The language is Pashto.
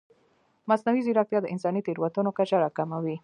مصنوعي ځیرکتیا د انساني تېروتنو کچه راکموي.